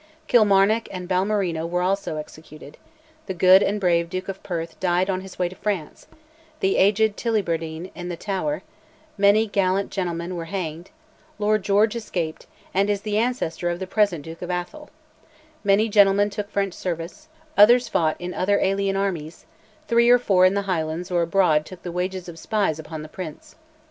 Kilmarnock and Balmerino also were executed; the good and brave Duke of Perth died on his way to France; the aged Tullibardine in the Tower; many gallant gentlemen were hanged; Lord George escaped, and is the ancestor of the present Duke of Atholl; many gentlemen took French service; others fought in other alien armies; three or four in the Highlands or abroad took the wages of spies upon the Prince.